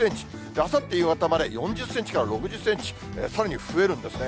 あさって夕方まで４０センチから６０センチ、さらに増えるんですね。